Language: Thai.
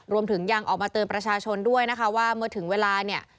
รวมถึงยังออกมาเตือนประชาชนด้วยนะคะว่าเมื่อถึงเวลาเนี่ย